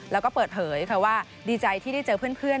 แล้วก็เปิดเผยค่ะว่าดีใจที่ได้เจอเพื่อน